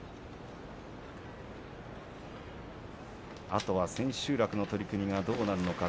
あとは千秋楽の取組がどうなるのか。